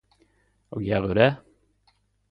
Og gjer ho det?